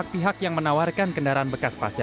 masih ada yang menawarkan kendaraan bekas pasca banyaknya